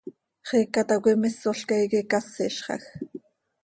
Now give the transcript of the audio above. ¡Xiica tacoi mísolca iiqui cásizxaj!